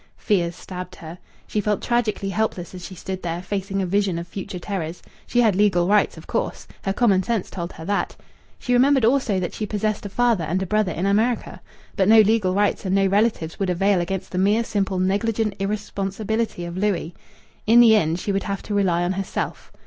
Fears stabbed her. She felt tragically helpless as she stood there, facing a vision of future terrors. She had legal rights, of course. Her common sense told her that. She remembered also that she possessed a father and a brother in America. But no legal rights and no relatives would avail against the mere simple, negligent irresponsibility of Louis. In the end, she would have to rely on herself.